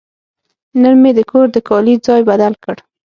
نن مې د کور د کالي ځای بدل کړ.